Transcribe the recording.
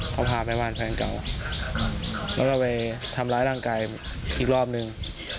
เขาพาไปบ้านแฟนเก่าแล้วก็ไปทำร้ายร่างกายอีกรอบนึง